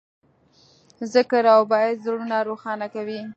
ذکر او عبادت زړونه روښانه کوي.